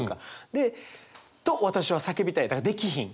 で「と私は叫びたい」だからできひん。